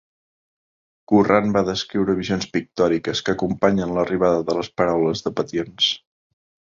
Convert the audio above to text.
Curran va descriure visions pictòriques que acompanyen l'arribada de les paraules de Patience.